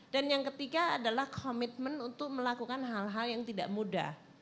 dan yang ketiga adalah commitment untuk melakukan hal hal yang tidak mudah